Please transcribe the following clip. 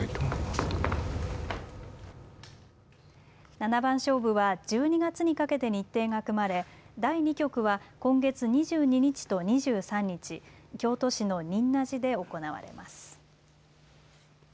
七番勝負は１２月にかけて日程が組まれ第２局は今月２２日と２３日、京都市の仁和寺で行われます。